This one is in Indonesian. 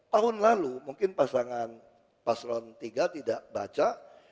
tahun lalu mungkin pasangan paslon tiga tidak baca